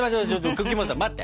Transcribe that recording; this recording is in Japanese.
クッキーモンスター待って。